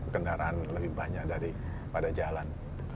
kendaraan lebih banyak dari pada jalan